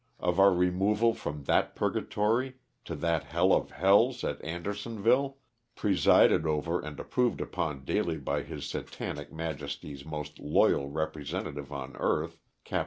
of our removal from that purgatory to that hell of hells at Andersonville, presided over and improved upon daily by his Satanic Majesty's most loyal representative on earth, Oapt.